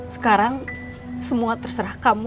sekarang semua terserah kamu